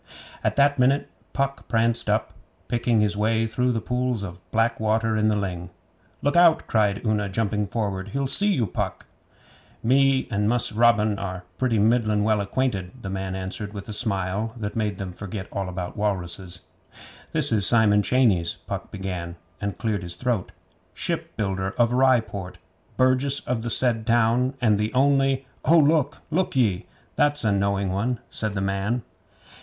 At that minute Puck pranced up, picking his way through the pools of black water in the ling. 'Look out!' cried Una, jumping forward. 'He'll see you, Puck!' 'Me and Mus' Robin are pretty middlin' well acquainted,' the man answered with a smile that made them forget all about walruses. 'This is Simon Cheyneys,' Puck began, and cleared his throat. 'Shipbuilder of Rye Port; burgess of the said town, and the only ' 'Oh, look! Look ye! That's a knowing one,' said the man.